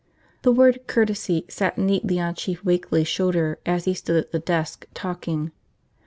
The word "Courtesy" sat neatly on Chief Wakeley's shoulder as he stood at the desk, talking.